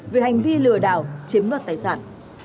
về hành vi lừa đảo chiếm đoạt tài sản